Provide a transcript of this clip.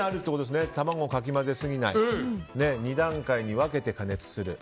卵をかき混ぜすぎない２段階に分けて加熱する。